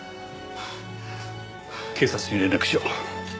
警察に連絡しよう。